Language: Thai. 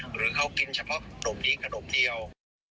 หรือเขากินเฉพาะขนมที่ขนมเดียว